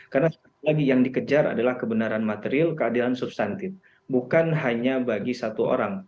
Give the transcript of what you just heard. karena sekali lagi yang dikejar adalah kebenaran material keadilan substantif bukan hanya bagi satu orang